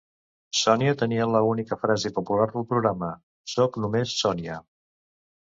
Sònia tenia la única frase popular del programa: Sóc només Sònia!